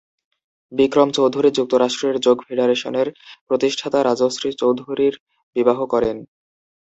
বিক্রম চৌধুরী যুক্তরাষ্ট্রের যোগ ফেডারেশনের প্রতিষ্ঠাতা রাজশ্রী চৌধুরীর বিবাহ করেন।